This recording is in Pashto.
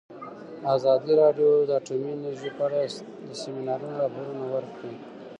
ازادي راډیو د اټومي انرژي په اړه د سیمینارونو راپورونه ورکړي.